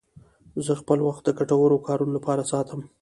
زه خپل وخت د ګټورو کارونو لپاره ساتم.